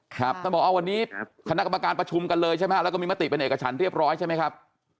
ท่านบอกว่าวันนี้คณะกรรมการประชุมกันเลยใช่ไหมแล้วก็มีมติเป็นเอกฉันเรียบร้อยใช่ไหมครับ